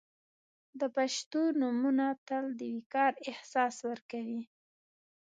• د پښتو نومونه تل د وقار احساس ورکوي.